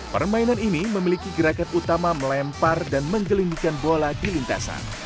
permainan ini memiliki gerakan utama melempar dan menggelindingkan bola di lintasan